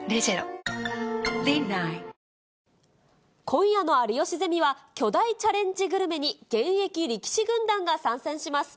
今夜の有吉ゼミは、巨大チャレンジグルメに、現役力士軍団が参戦します。